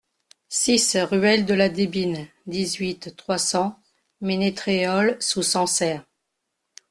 six ruelle de la Debine, dix-huit, trois cents, Ménétréol-sous-Sancerre